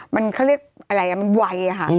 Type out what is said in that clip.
มันเขาเรียกอะไรมันไวค่ะ